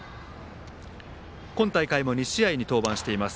今大会も２試合に登板しています。